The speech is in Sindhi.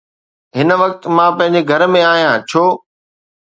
هن وقت، مان پنهنجي گهر ۾ آهيان، ڇو؟